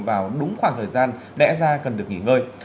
vào đúng khoảng thời gian đẽ ra cần được nghỉ ngơi